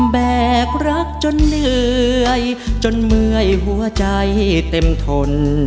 แบกรักจนเหนื่อยจนเมื่อยหัวใจเต็มทน